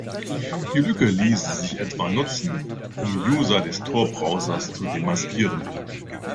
Die Lücke ließe sich etwa nutzen, um User des Tor-Browsers zu demaskieren.